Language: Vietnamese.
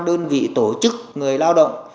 đơn vị tổ chức người lao động